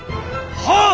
はっ！